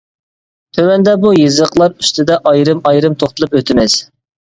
تۆۋەندە بۇ يېزىقلار ئۈستىدە ئايرىم-ئايرىم توختىلىپ ئۆتىمىز.